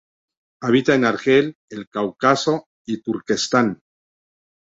Habita en Argel, el Cáucaso y Turquestán.